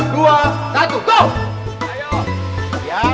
jurnal kornato adi apa